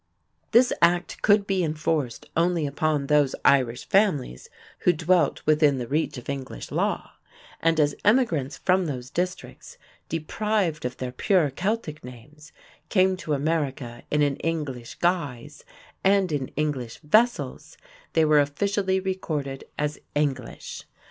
This Act could be enforced only upon those Irish families who dwelt within the reach of English law, and as emigrants from those districts, deprived of their pure Celtic names, came to America in an English guise and in English vessels, they were officially recorded as "English."